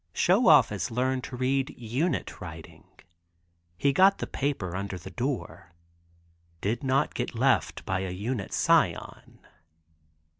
Show Off has learned to read Unit writing. He got the paper under the door. Did not get left by a Unit scion.